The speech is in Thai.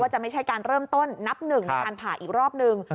จะไม่ใช่การเริ่มต้นนับหนึ่งในการผ่าอีกรอบนึง